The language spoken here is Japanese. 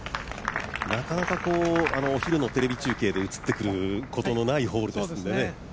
なかなかお昼のテレビ中継で映ってくることのないホールですのでね